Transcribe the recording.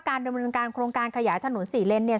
ดำเนินการโครงการขยายถนนสี่เลนเนี่ย